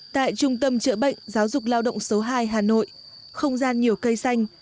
tại trung tâm chữa bệnh giáo dục lao động số hai hà nội không gian nhiều cây xanh